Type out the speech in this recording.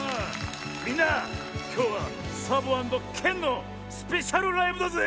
みんなきょうはサボアンド剣のスペシャルライブだぜ！